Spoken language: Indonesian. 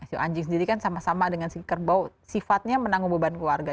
ceo anjing sendiri kan sama sama dengan sifatnya menanggung beban keluarga